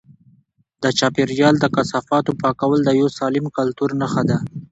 د چاپیریال د کثافاتو پاکول د یو سالم کلتور نښه ده.